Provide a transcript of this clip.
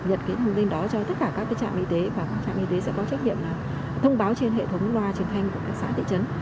nhật thông tin đó cho tất cả các trạm y tế và các trạm y tế sẽ có trách nhiệm thông báo trên hệ thống loa truyền thanh của các xã tị trấn